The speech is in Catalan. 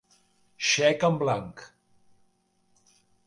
Xec en blanc.